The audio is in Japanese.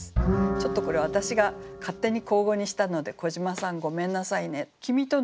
ちょっとこれ私が勝手に口語にしたので小島さんごめんなさいね。